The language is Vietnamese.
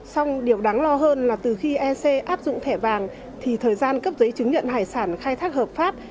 xong điều đáng lo hơn là từ khi ec áp dụng thẻ vàng thì thời gian cấp giấy chứng nhận hải sản khai thác hợp pháp